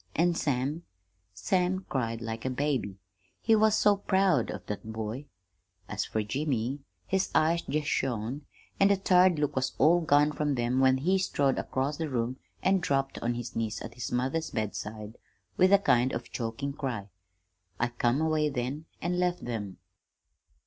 And Sam Sam cried like a baby, he was so proud of that boy. As fer Jimmy, his eyes jest shone, an' the tired look was all gone from them when he strode across the room an' dropped on his knees at his mother's bedside with a kind of choking cry. I come away then, and left them.